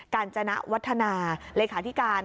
การจณวัฒนาเลขาธิการ